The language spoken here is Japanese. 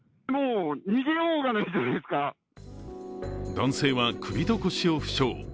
男性は首と腰を負傷。